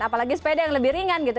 apalagi sepeda yang lebih ringan gitu